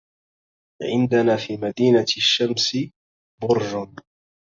عندنا في مدينة الشمس برج